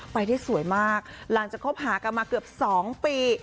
ไปได้สวยมากหลังจากคบหากันมาเกือบ๒ปี